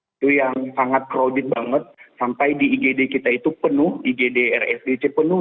itu yang sangat crowded banget sampai di igd kita itu penuh igd rsdc penuh